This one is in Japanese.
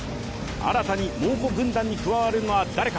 新たに猛虎軍団に加わるのは誰か。